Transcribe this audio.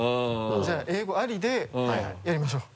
じゃあ英語ありでやりましょう。